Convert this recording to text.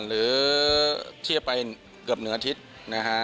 หรือเทียบไปเกือบเหนืออาทิตย์